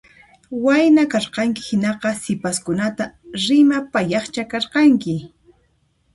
Wayna karqanki hinaqa sipaskunata rimapayaqcha karqanki